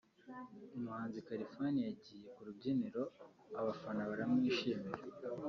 umuhanzi Khalfan yagiye ku rubyiniro abafana baramwishimira